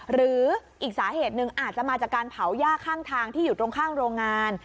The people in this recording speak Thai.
หรืออีกสาเหตุหนึ่งอาจจะมาจากการเผาย่าข้างทางที่อยู่ตรงข้างโรงงาน